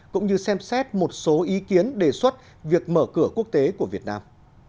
cũng như xem xét một số ý kiến đề xuất việc mở cửa quốc tế của việt nam